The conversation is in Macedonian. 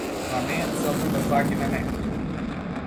Та не е целта да загине некој!